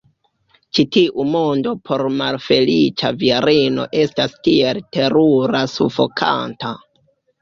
Ĉi tiu mondo por malfeliĉa virino estas tiel terura, sufokanta.